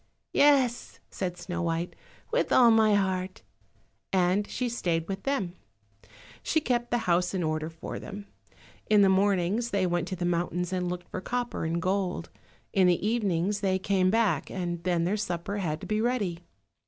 "Yes," said Snow white, "with all my heart," and she stayed with them. She kept the house in order for them; in the mornings they went to the mountains and looked for copper and gold, in the evenings they came back, and then their supper had to be ready.